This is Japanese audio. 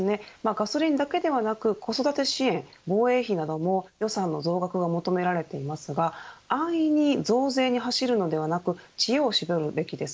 ガソリンだけではなく子育て支援、防衛費なども予算の増額が求められていますが安易に増税に走るのではなく知恵を絞るべきです。